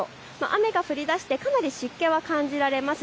雨が降りだしてかなり湿気は感じられます。